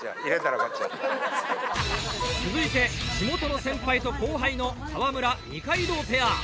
続いて地元の先輩と後輩の川村二階堂ペア！